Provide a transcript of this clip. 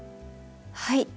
はい。